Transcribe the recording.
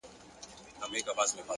فکر بدل شي، تقدیر بدلېږي.